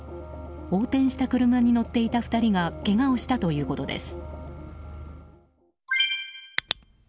横転した車に乗っていた２人がけがをしたということです。